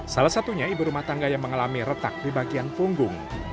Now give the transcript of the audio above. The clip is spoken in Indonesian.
salah satunya ibu rumah tangga yang mengalami retak di bagian punggung